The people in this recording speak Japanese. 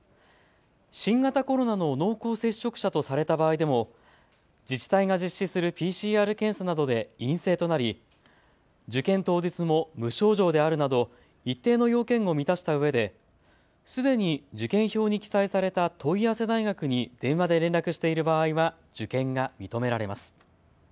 新型コロナの濃厚接触者とされた場合でも自治体が実施するＰＣＲ検査などで陰性となり受験当日も無症状であるなど一定の要件を満たしたうえですでに受験票に記載された問い合わせ大学に電話で連絡している場合は受験が認められます。